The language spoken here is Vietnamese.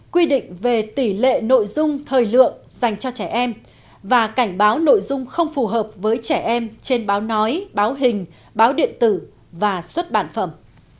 quy định về tỷ lệ nội dung thời lượng dành cho trẻ em và cảnh báo nội dung không phù hợp với trẻ em trên báo nói báo hình báo điện tử và xuất bản phẩm